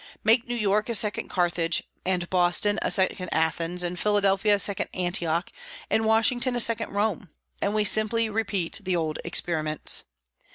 Make New York a second Carthage, and Boston a second Athens, and Philadelphia a second Antioch, and Washington a second Rome, and we simply repeat the old experiments.